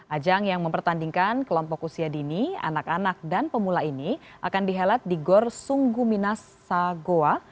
ajang yang mempertandingkan kelompok usia dini anak anak dan pemula ini akan dihelat di gor sunggu minas sagoa